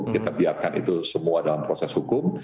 kita biarkan itu semua dalam proses hukum